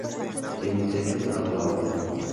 Tiene un techo a dos aguas.